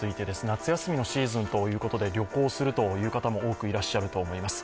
夏休みのシーズンということで、旅行するという方も多くいらっしゃると思います。